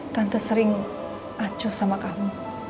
tante sering acuh sama kamu